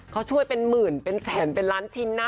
เขาช่วยเป็นหมื่นเป็นแสนเป็นล้านชิ้นนะ